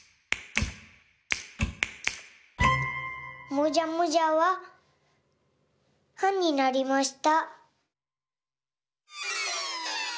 もじゃもじゃは「は」になりました。